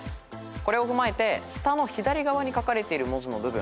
これを踏まえて下の左側に書かれている文字の部分。